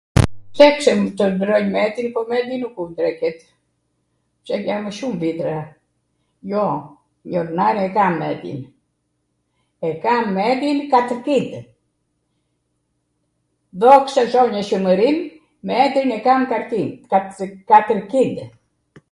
plekswm te ndrwnj medin po medi nuku ndreqet, pse jamw shum vitra. Jo, jornar e kam medin, e kam medin katwpite, dhoksa zonjw Shwmwrin, metrin e kam karti, katwr kile.